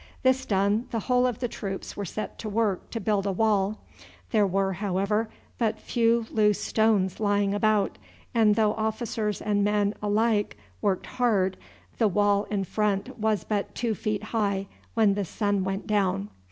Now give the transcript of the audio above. This done, the whole of the troops were set to work to build a wall. There were, however, but few loose stones lying about, and though officers and men alike worked hard the wall in front was but two feet high when the sun went down.